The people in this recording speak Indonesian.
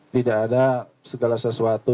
tidak ada segala sesuatu